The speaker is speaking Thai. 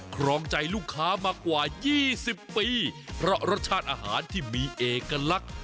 ครองใจลูกค้ามากว่า๒๐ปีเพราะรสชาติอาหารที่มีเอกลักษณ์